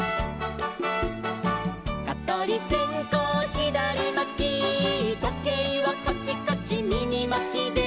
「かとりせんこうひだりまき」「とけいはカチカチみぎまきで」